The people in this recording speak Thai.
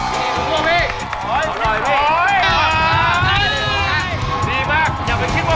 ดีมากอย่าเป็นคิดว่ามันเร็วเหนย์